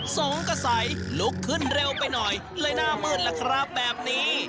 สงสัยลุกขึ้นเร็วไปหน่อยเลยหน้ามืดล่ะครับแบบนี้